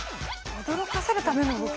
驚かせるための動き？